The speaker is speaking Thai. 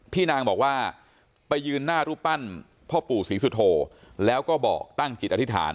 พี่นางบอกว่าไปยืนหน้ารูปปั้นพ่อปู่ศรีสุโธแล้วก็บอกตั้งจิตอธิษฐาน